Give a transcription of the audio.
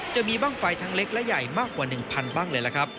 จะมีบ้างไฟทั้งเล็กและใหญ่มากกว่า๑๐๐บ้างเลยล่ะครับ